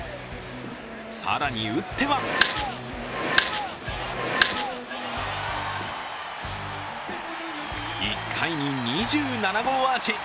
更に打っては１回に２７号アーチ。